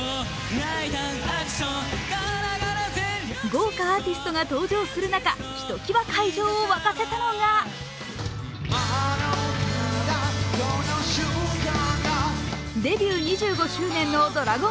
豪華アーティストが登場する中、ひときわ会場を沸かせたのがデビュー２５周年のＤｒａｇｏｎＡｓｈ。